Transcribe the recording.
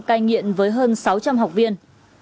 cai nghiện với hơn sáu trăm linh học viên